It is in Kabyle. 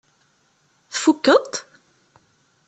Tfukkeḍ-t?